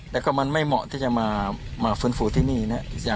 แต่ก็มันไม่เหมาะที่จะมาฟื้นฟูที่นี่นะ